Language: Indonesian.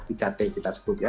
mes oai dirana telok kemudian